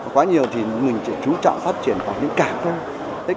quá nhiều thì mình chỉ chú trọng phát triển vào những cảng thôi